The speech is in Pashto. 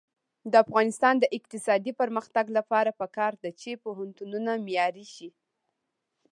د افغانستان د اقتصادي پرمختګ لپاره پکار ده چې پوهنتونونه معیاري شي.